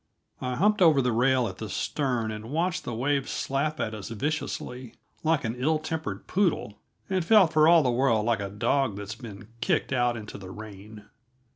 I humped over the rail at the stern, and watched the waves slap at us viciously, like an ill tempered poodle, and felt for all the world like a dog that's been kicked out into the rain.